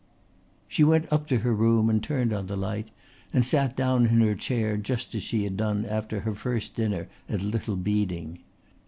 She went up to her room and turned on the light, and sat down in her chair just as she had done after her first dinner at Little Beeding.